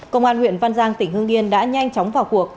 công an huyện văn giang tỉnh hương yên đã nhanh chóng vào cuộc